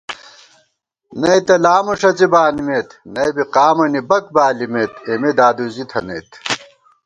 نئیتہ لامہ ݭَڅی بانِمېت نئ بی قامَنی بَک بالِمېت اېمےدادُوزی تھنَئیت